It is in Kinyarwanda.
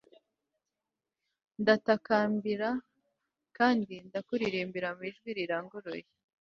Ndatakambira kandi ndakuririmbira mu ijwi riranguruye